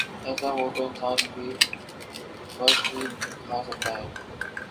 ایسا ہو تو انسان اس پہ غش ہی کھا سکتا ہے۔